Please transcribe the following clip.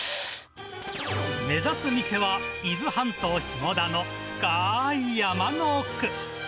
目指す店は、伊豆半島下田の深ーい山の奥。